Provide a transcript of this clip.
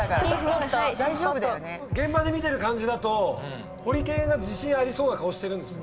現場で見てる感じだとホリケンが自信ありそうな顔してる。